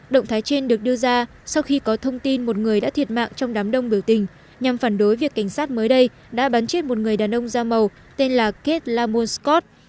động thái trên được đưa ra sau khi có thông tin một người đã thiệt mạng trong đám đông biểu tình nhằm phản đối việc cảnh sát mới đây đã bắn chết một người đàn ông da màu tên là ket lamun scott